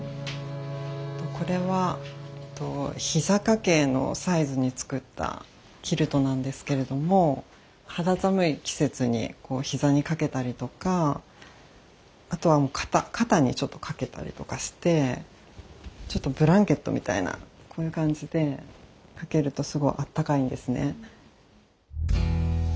これは膝掛けのサイズに作ったキルトなんですけれども肌寒い季節にこう膝に掛けたりとか後は肩肩にちょっと掛けたりとかしてちょっとブランケットみたいなこういう感じで掛けるとすごいあったかいんですね。